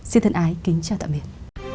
xin thân ái kính chào tạm biệt